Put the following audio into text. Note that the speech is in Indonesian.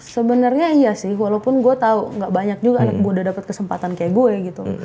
sebenarnya iya sih walaupun gue tau gak banyak juga anak muda dapat kesempatan kayak gue gitu